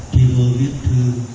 khi vô viết thư